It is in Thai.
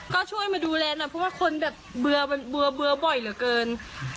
ก็ช่วยมาดูแลหน่อยเพราะว่าคนแบบเบื่อบ่อยเหลือเกิน